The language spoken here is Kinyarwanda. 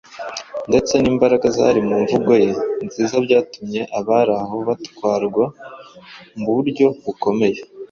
ndetse n’imbaraga zari mu mvugo ye nziza byatumye abari aho batwarwa mu buryo bukomeye.